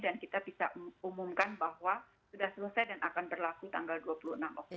kita bisa umumkan bahwa sudah selesai dan akan berlaku tanggal dua puluh enam oktober